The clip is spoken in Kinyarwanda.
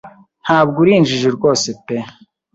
Ntabwo uri injiji rwose pe.